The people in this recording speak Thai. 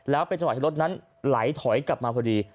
แล้วเป็นจังหวะที่รถนั้นไหลถอยกลับมาพอดี